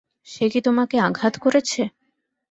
সে কি তোমাকে আঘাত করেছে?